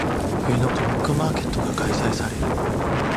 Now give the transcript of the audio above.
冬のコミックマーケットが開催される。